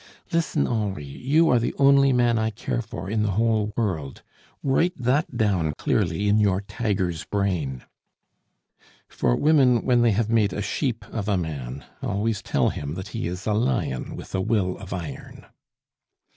Listen, Henri, you are the only man I care for in the whole world. Write that down clearly in your tiger's brain." For women, when they have made a sheep of a man, always tell him that he is a lion with a will of iron.